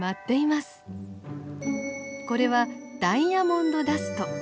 これはダイヤモンドダスト。